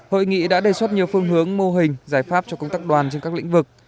hội nghị đã đề xuất nhiều phương hướng mô hình giải pháp cho công tác đoàn trên các lĩnh vực